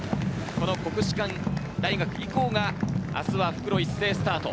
国士舘大学以降が明日は復路一斉スタート。